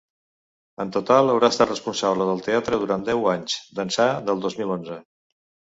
En total, haurà estat responsable del teatre durant deu anys, d’ençà del dos mil onze.